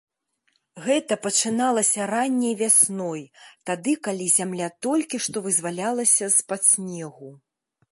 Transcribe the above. Гэта пачыналася ранняй вясной, тады, калі зямля толькі што вызвалялася з-пад снегу.